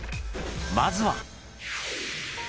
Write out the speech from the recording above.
［まずは］